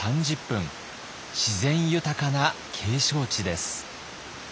自然豊かな景勝地です。